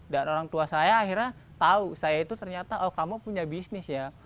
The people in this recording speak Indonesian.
dan orang tua saya akhirnya tau saya itu ternyata oh kamu punya bisnis ya